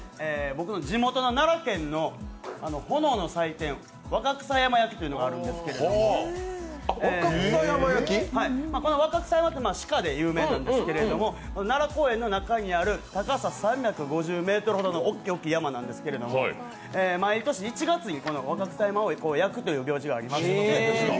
僕の地元の奈良県の炎の祭典、若草山焼きというのがあるんですけど、若草山は鹿で有名なんですけど、奈良公園の中にある高さ３５０ｍほどの大きい山なんですけど毎年１月に若草山を焼くという行事がありまして。